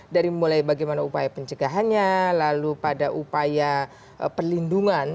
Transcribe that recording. dari mulai bagaimana upaya pencegahannya lalu pada upaya perlindungan